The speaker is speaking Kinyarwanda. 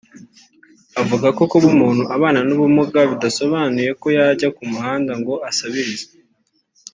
avuga ko kuba umuntu abana n’ubumuga bidasobanuye ko yajya ku muhanda ngo asabirize